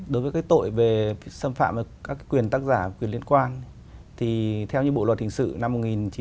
đối với cái tội về xâm phạm các quyền tác giả quyền liên quan thì theo như bộ luật hình sự năm một nghìn chín trăm năm mươi